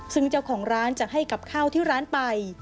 ซึ่งเจ้าของร้านจะให้กับข้าวที่ร้านไป